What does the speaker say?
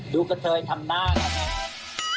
ดูกับเธอทำหน้ากัน